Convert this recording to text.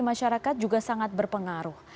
masyarakat juga sangat berpengaruh